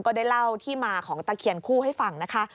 ได้เล่าที่มาของตะเคียนคู่ให้ฟังนะคะ